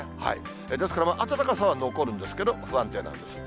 ですから暖かさは残るんですけれども、不安定なんです。